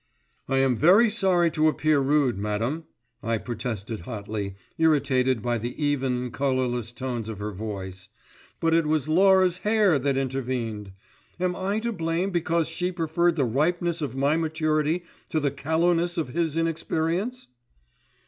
"I am very sorry to appear rude, Madam," I protested hotly, irritated by the even, colourless tones of her voice, "but it was Laura's hair that intervened! Am I to blame because she preferred the ripeness of my maturity to the callowness of his inexperience?"